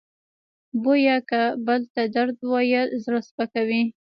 بویه که بل ته درد ویل زړه سپکوي.